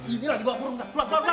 ini lagi gua burung keluar keluar keluar